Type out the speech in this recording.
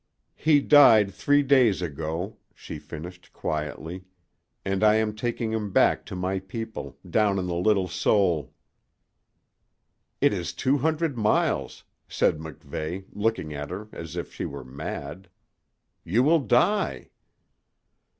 "He died three days ago," she finished, quietly, "and I am taking him back to my people, down on the Little Seul." "It is two hundred miles," said MacVeigh, looking at her as if she were mad. "You will die."